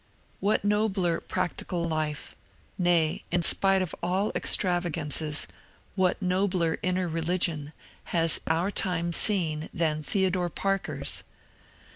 What nobler practical life — nay, in spite of all extravagances, what nobler inner religion — has our time seen than Theodore Parker's